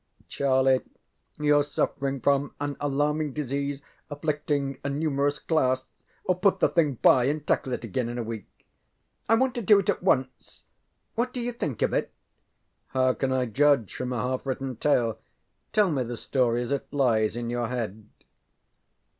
ŌĆØ ŌĆ£Charlie, youŌĆÖre suffering from an alarming disease afflicting a numerous class. Put the thing by, and tackle it again in a week. ŌĆØ ŌĆ£I want to do it at once. What do you think of it? ŌĆØ ŌĆ£How can I judge from a half written tale? Tell me the story as it lies in your head.